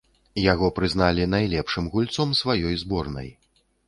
Яго прызналі найлепшым гульцом сваёй зборнай.